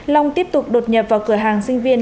long tiếp tục đột nhập vào cửa hàng sinh viên